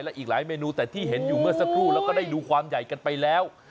และอีกหลายเมนูแต่ที่เห็นอยู่เมื่อสักครู่แล้วก็ได้ดูความใหญ่กันไปแล้ว